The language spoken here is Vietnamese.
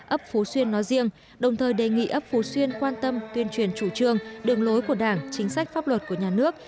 ấp phú xuyên nói riêng đồng thời đề nghị ấp phú xuyên quan tâm tuyên truyền chủ trương đường lối của đảng chính sách pháp luật của nhà nước